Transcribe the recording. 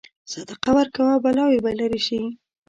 صدقه ورکوه، بلاوې به لرې شي.